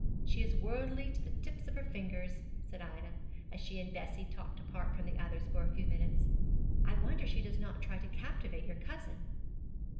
'She is worldly to the tips of her fingers,' said Ida, as she and Bessie talked apart from the others for a few minutes: 'I wonder she does not try to captivate your cousin.'